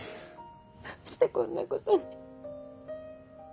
どうしてこんなことに。